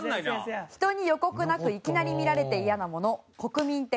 人に予告なくいきなり見られて嫌なもの国民的